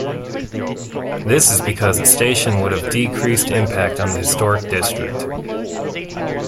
This was because the station would have a decreased impact on the historic district.